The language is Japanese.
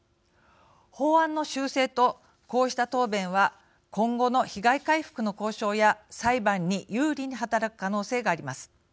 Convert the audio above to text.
法案の修正とこうした答弁は今後の被害回復の交渉や裁判に有利に働く可能性があります。